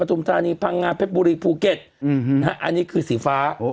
ทุ่มแสวงฐาบเมียก็อยู่นี่ฟ้า